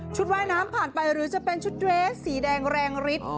ว่ายน้ำผ่านไปหรือจะเป็นชุดเรสสีแดงแรงฤทธิ์